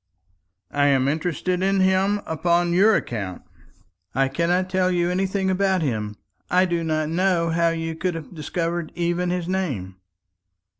"I am interested in him upon your account." "I cannot tell you anything about him. I do not know how you could have discovered even his name."